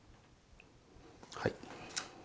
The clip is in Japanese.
はい。